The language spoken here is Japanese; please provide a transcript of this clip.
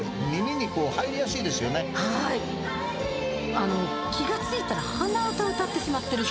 あの気が付いたら鼻歌歌ってしまってるっていうか。